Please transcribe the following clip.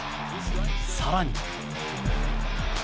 更に。